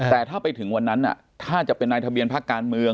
แต่ถ้าไปถึงวันนั้นถ้าจะเป็นนายทะเบียนพักการเมือง